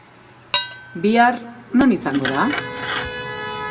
Bihar, nor izango da?